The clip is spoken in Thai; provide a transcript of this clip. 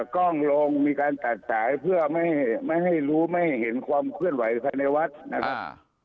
กล้องลงมีการตัดสายเพื่อไม่ให้รู้ไม่เห็นความเคลื่อนไหวภายในวัดนะครับ